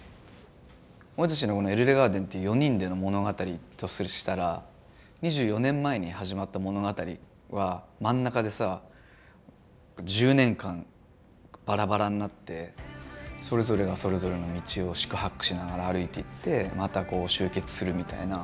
俺たちのこのＥＬＬＥＧＡＲＤＥＮっていう４人での物語としたら２４年前に始まった物語は真ん中でさ１０年間バラバラになってそれぞれがそれぞれの道を四苦八苦しながら歩いていってまたこう集結するみたいな。